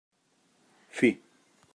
Fi.